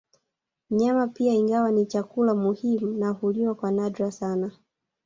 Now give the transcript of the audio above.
Nyama pia ingawa ni chakula muhimu na huliwa kwa nadra sana